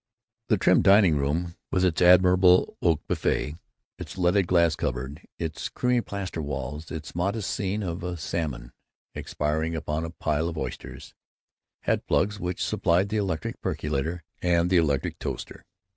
The trim dining room (with its admirable oak buffet, its leaded glass cupboard, its creamy plaster walls, its modest scene of a salmon expiring upon a pile of oysters) had plugs which supplied the electric percolator and the electric toaster.